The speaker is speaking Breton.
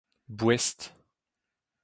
boest